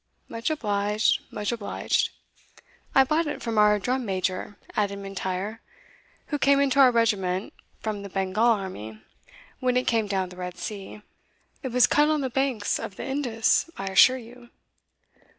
"Much obliged, much obliged." "I bought it from our drum major," added M'Intyre, "who came into our regiment from the Bengal army when it came down the Red Sea. It was cut on the banks of the Indus, I assure you."